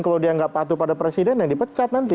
kalau dia nggak patuh pada presiden ya dipecat nanti